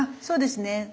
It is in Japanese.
そうですね。